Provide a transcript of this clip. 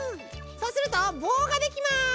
そうするとぼうができます。